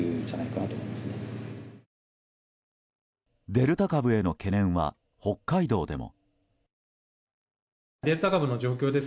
デルタ株への懸念は北海道でも。